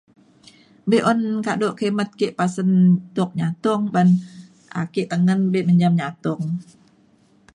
be'un kado kimet ke pasen tuk nyatong ban ake tengen bek menjam nyatong